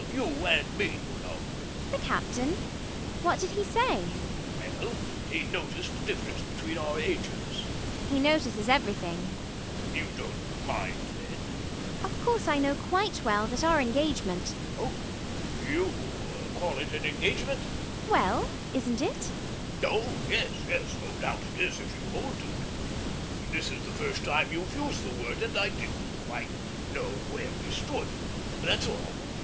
You and me, you know. ELLIE [interested]. The captain! What did he say? MANGAN. Well, he noticed the difference between our ages. ELLIE. He notices everything. MANGAN. You don't mind, then? ELLIE. Of course I know quite well that our engagement MANGAN. Oh! you call it an engagement. ELLIE. Well, isn't it? MANGAN. Oh, yes, yes: no doubt it is if you hold to it. This is the first time you've used the word; and I didn't quite know where we stood: that's all.